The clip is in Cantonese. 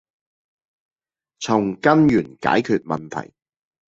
從根源解決問題